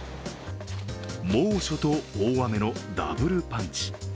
猛暑と大雨のダブルパンチ。